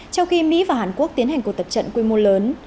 trong khi mỹ và hàn quốc tiến hành cuộc tập trận quy mô lớn